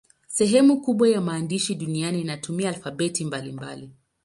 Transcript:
Sehemu kubwa ya maandishi duniani inatumia alfabeti mbalimbali.